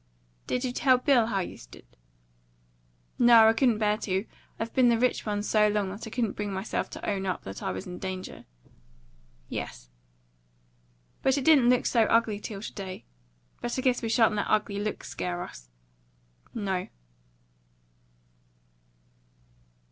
"Did you tell Bill how you stood?" "No, I couldn't bear to. I've been the rich one so long, that I couldn't bring myself to own up that I was in danger." "Yes." "Besides, it didn't look so ugly till to day. But I guess we shan't let ugly looks scare us." "No."